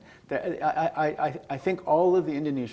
saya pikir semua orang indonesia